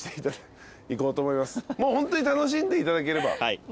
ホントに楽しんでいただければ。